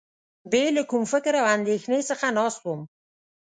بې له کوم فکر او اندېښنې څخه ناست وم.